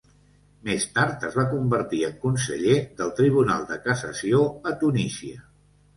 Més tard es va convertir en conseller del Tribunal de Cassació a Tunísia.